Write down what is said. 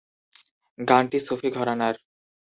গানটি সুফি ঘরানার।